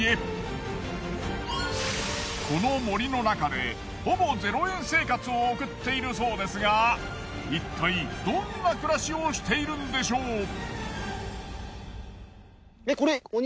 この森の中でほぼ０円生活を送っているそうですがいったいどんな暮らしをしているんでしょう？